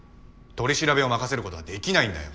取り調べを任せることは出来ないんだよ。